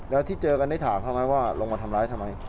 แล้วพี่ถามเขาไหมว่าลงมาทำร้ายทำไม